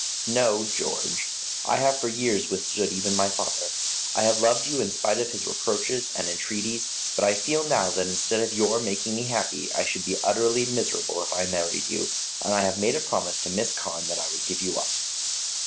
No, George, I have for years withstood even my father. I have loved you in spite of his reproaches and entreaties, but I feel now that instead of your making me happy I should be utterly miserable if I married you, and I have made a promise to Miss Carne that I would give you up."